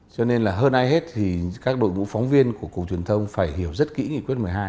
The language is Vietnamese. cho nên là hơn ai hết thì các đội ngũ phóng viên của cục truyền thông phải hiểu rất kỹ nghị quyết một mươi hai